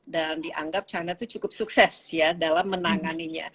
dan dianggap china itu cukup sukses ya dalam menanganinya